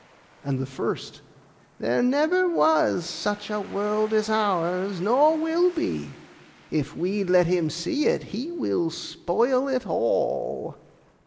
And the first, 'There never was such a world as ours, nor will be; if we let him see it, he will spoil it all.